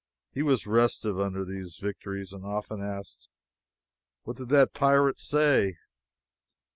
He was restive under these victories and often asked: "What did that pirate say?"